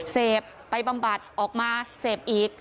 เสพไปบำบัดออกมาเสพอีก